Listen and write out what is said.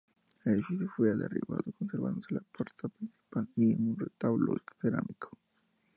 El edificio fue derribado, conservándose la puerta principal y un retablo cerámico.